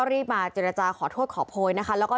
รีบมาเจรจาขอโทษขอโพยนะคะ